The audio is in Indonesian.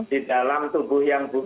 di dalam tubuh yang